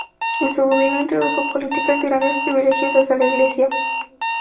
En su gobierno introdujo políticas de grandes privilegios hacia la Iglesia.